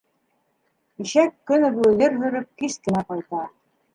Ишәк, көнө буйы ер һөрөп, кис кенә ҡайта.